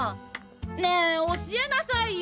ねぇ教えなさいよ！